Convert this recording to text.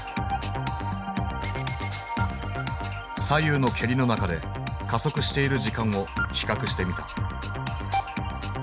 左右の蹴りの中で加速している時間を比較してみた。